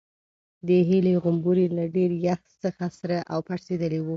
د هیلې غومبوري له ډېر یخ څخه سره او پړسېدلي وو.